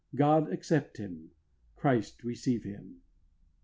God accept him, Christ receive him.